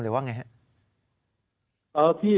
หรือว่าไง